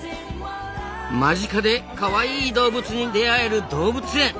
間近でかわいい動物に出会える動物園。